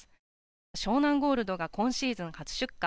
湘南ゴールドが今シーズン初出荷。